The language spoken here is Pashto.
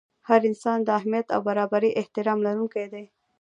هر انسان د اهمیت او برابر احترام لرونکی دی.